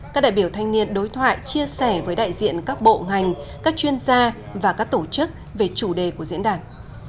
các đại biểu thanh niên đối thoại chia sẻ với đại diện các bộ ngành các chuyên gia và các tổ chức về chủ đề của diễn đàn